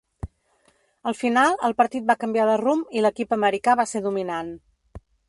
Al final el partit va canviar de rumb i l"equip americà va ser dominant.